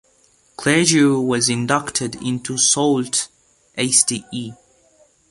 Clergue was inducted into Sault Ste.